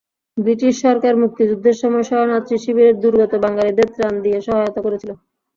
British সরকার মুক্তিযুদ্ধের সময় শরণার্থী শিবিরে দুর্গত বাঙালিদের ত্রাণ দিয়ে সহায়তা করেছিল।